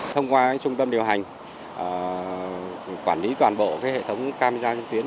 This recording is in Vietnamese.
thông qua trung tâm điều hành quản lý toàn bộ hệ thống cam gia trên tuyến